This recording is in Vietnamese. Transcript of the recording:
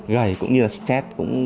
gầy cũng như là stress